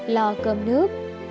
lo cơm nước